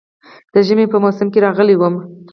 د ژمي په موسم کې راغلی وم.